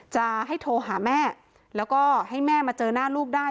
จะให้โทรหาแม่แล้วก็ให้แม่มาเจอหน้าลูกได้